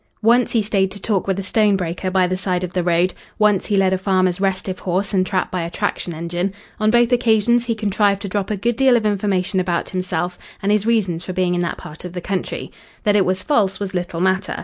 Once he stayed to talk with a stone breaker by the side of the wood; once he led a farmer's restive horse and trap by a traction engine. On both occasions he contrived to drop a good deal of information about himself, and his reasons for being in that part of the country. That it was false was little matter.